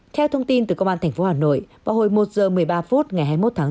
theo thông tin từ công an thành phố hà nội vào hồi một giờ một mươi ba phút ngày hai mươi một tháng bốn